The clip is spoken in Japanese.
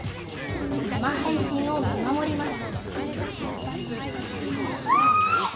生配信を見守ります。